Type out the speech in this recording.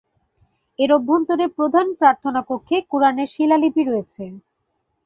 এর অভ্যন্তরে প্রধান প্রার্থনা কক্ষে কুরআনের শিলালিপি রয়েছে।